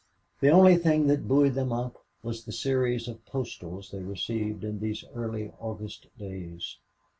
The only thing that buoyed them up was the series of postals they received in these early August days.